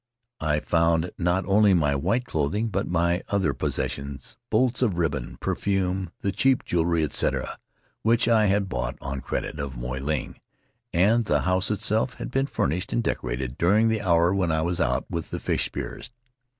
I found not only my white clothing, but my other possessions — bolts of ribbon, perfume, the cheap jew elry, etc., which I had bought, on credit, of Moy Ling. And the house itself had been furnished and decorated during the hour when I was out with the fish spearers.